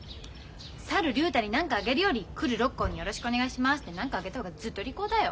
去る竜太に何かあげるより来るロッコーによろしくお願いしますって何かあげた方がずっと利口だよ。